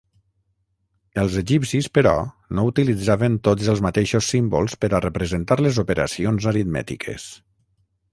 Els egipcis, però, no utilitzaven tots els mateixos símbols per a representar les operacions aritmètiques.